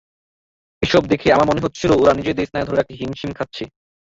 এসব দেখে আমার মনে হচ্ছিল ওরা নিজেদের স্নায়ু ধরে রাখতে হিমশিম খাচ্ছে।